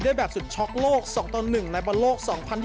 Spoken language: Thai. ด้วยแบบสุดช็อคโลก๒ตัว๑ในประโลก๒๐๒๒